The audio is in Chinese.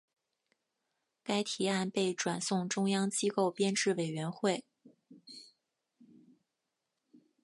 该提案被转送中央机构编制委员会。